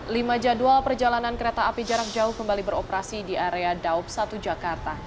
lima jadwal perjalanan kereta api jarak jauh kembali beroperasi di area daup satu jakarta